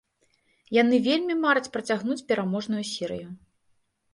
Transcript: Яны вельмі мараць працягнуць пераможную серыю.